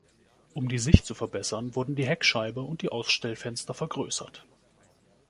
Um die Sicht zu verbessern, wurden die Heckscheibe und die Ausstellfenster vergrößert.